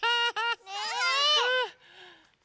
ねえ。